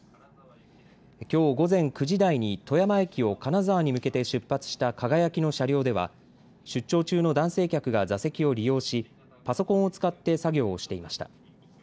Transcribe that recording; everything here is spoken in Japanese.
きょう午前９時台に富山駅を金沢に向けて出発したかがやきの車両では出張中の男性客が座席を利用しパソコンを使って作業をしていました。